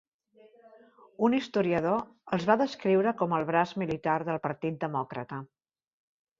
Un historiador els va descriure com el braç militar del Partit Demòcrata.